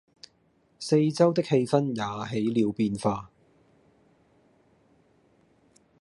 四周的氣氛也起了變化